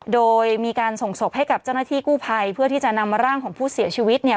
โดยมีการส่งศพให้กับเจ้าหน้าที่กู้ภัยเพื่อที่จะนำร่างของผู้เสียชีวิตเนี่ย